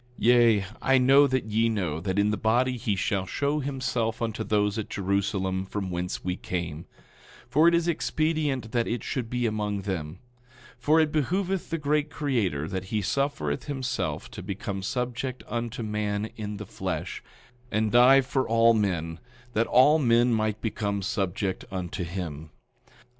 9:5 Yea, I know that ye know that in the body he shall show himself unto those at Jerusalem, from whence we came; for it is expedient that it should be among them; for it behooveth the great Creator that he suffereth himself to become subject unto man in the flesh, and die for all men, that all men might become subject unto him.